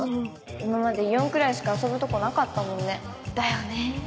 今までイオンくらいしか遊ぶとこなかっただよね